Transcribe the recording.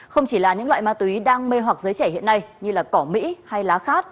không chỉ là những loại ma túy đang mê hoặc giới trẻ hiện nay như cỏ mỹ hay lá khát